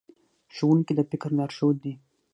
ښوونکي د فکر لارښود دي.